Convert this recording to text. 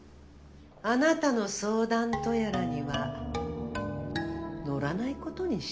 あなたの相談とやらには乗らないことにしてるの。